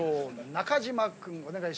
中島君お願いします。